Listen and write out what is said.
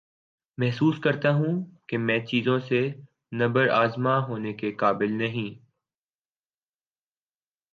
محسوس کرتا ہوں کہ میں چیزوں سے نبرد آزما ہونے کے قابل نہی